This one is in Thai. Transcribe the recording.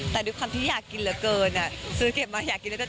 แต่ด้วยความที่อยากกินเหลือเกินซื้อเก็บมาอยากกินเหลือเกิน